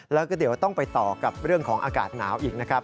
แล้วก็เดี๋ยวต้องไปต่อกับเรื่องของอากาศหนาวอีกนะครับ